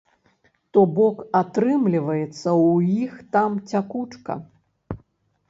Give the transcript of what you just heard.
То бок атрымліваецца ў іх там цякучка.